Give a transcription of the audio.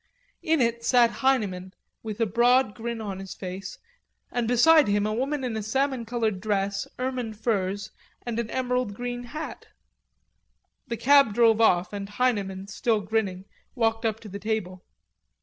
In it sat Heineman with a broad grin on his face and beside him a woman in a salmon colored dress, ermine furs and an emerald green hat. The cab drove off and Heineman, still grinning, walked up to the table.